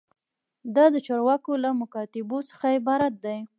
دا د چارواکو له مکاتیبو څخه عبارت دی.